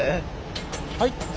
はい。